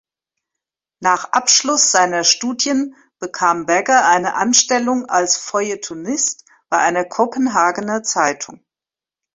Nach Abschluss seiner Studien bekam Bagger eine Anstellung als Feuilletonist bei einer Kopenhagener Zeitung.